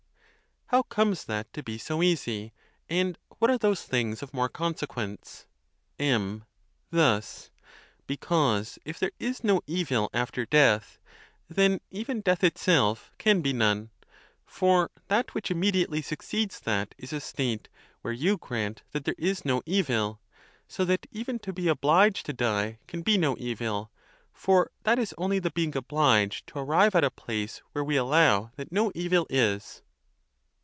How comes that to be so easy? And what are those things of more consequence ? M. Thus: because, if there is no evil after death, then even death itself can be none; for that which immediately succeeds that is a state where you grant that there is no evil: so that even to be obliged to die can be no evil, for that is only the being obliged to arrive at a place where we allow that no evil is.